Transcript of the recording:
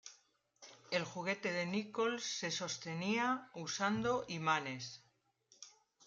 El juguete de Nichols se sostenía usando imanes.